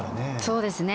そうですね。